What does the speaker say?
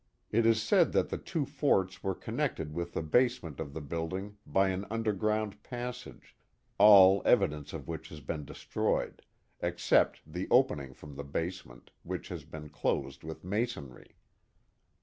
It is said that the two forts were connected with the base ment of the building by an underground passage, all evidence of which has been destroyed, except the opening from the basement, which has been closed with masonry.